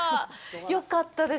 よかったです。